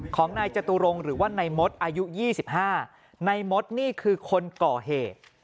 ของนายจตุรงค์หรือว่านายมดอายุ๒๕นายมดนี่คือคนก่อเหตุ